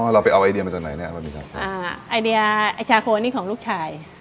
เราไปเอาไอเดียมาจากไหนเนี้ยอ่าไอเดียไอชาโคนี่ของลูกชายอืม